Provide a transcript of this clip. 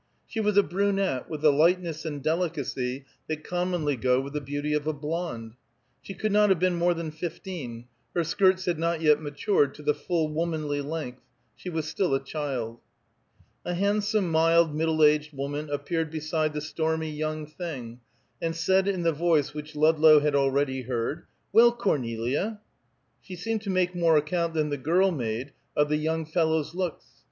She was a brunette, with the lightness and delicacy that commonly go with the beauty of a blonde. She could not have been more than fifteen; her skirts had not yet matured to the full womanly length; she was still a child. A handsome, mild, middle aged woman appeared beside the stormy young thing, and said in the voice which Ludlow had already heard, "Well, Cornelia!" She seemed to make more account than the girl made of the young fellow's looks.